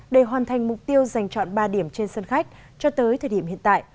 để hoàn thành mục tiêu giành chọn ba điểm trên sân khách cho tới thời điểm hiện tại